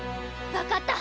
分かった！